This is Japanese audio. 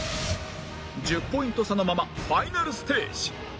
１０ポイント差のままファイナルステージ